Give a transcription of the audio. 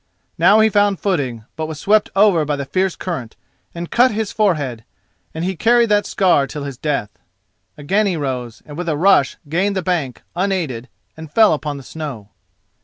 Now he found footing, but was swept over by the fierce current, and cut his forehead, and he carried that scar till his death. Again he rose, and with a rush gained the bank unaided and fell upon the snow.